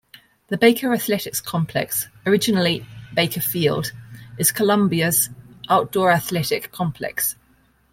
The Baker Athletics Complex, originally Baker Field, is Columbia's outdoor athletic complex.